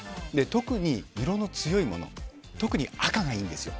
特に色の強いもの特に赤がいいんですよ。